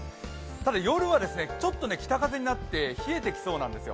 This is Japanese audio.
ただ、夜はちょっと北風になって冷えてきそうなんですよ。